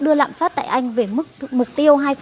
đưa lạm phát tại anh về mục tiêu